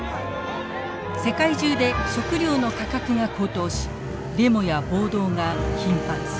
世界中で食料の価格が高騰しデモや暴動が頻発。